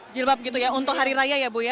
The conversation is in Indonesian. jilbab gitu ya untuk hari raya ya bu ya